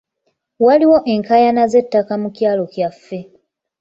Waliwo enkaayana z'ettaka mu kyalo kyaffe.